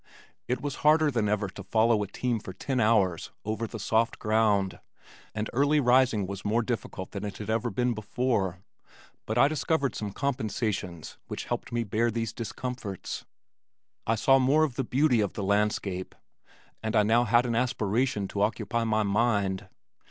It was harder than ever to follow a team for ten hours over the soft ground, and early rising was more difficult than it had ever been before, but I discovered some compensations which helped me bear these discomforts. I saw more of the beauty of the landscape and I now had an aspiration to occupy my mind.